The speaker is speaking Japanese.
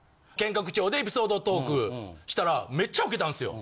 喧嘩口調でエピソードトークしたらめっちゃウケたんすよ。